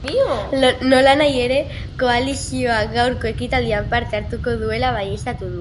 Nolanahi ere, koalizioak gaurko ekitaldian parte hartuko duela baieztatu du.